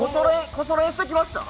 こそ練してきました？